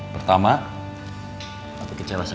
pertama papi kecewa sama kamu